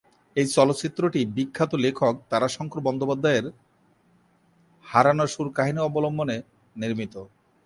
এই চলচ্চিত্রটি বিখ্যাত লেখক তারাশঙ্কর বন্দ্যোপাধ্যায় এর হারানো সুর কাহিনী অবলম্বনে নির্মিত।